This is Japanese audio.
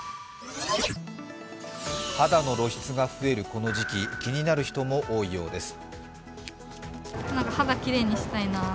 肌の露出が増えるこの時期、気になる人も多いようです。